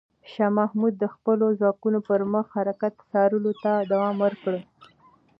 شاه محمود د خپلو ځواکونو پر مخ حرکت څارلو ته دوام ورکړ.